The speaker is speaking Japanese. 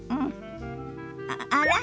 あら？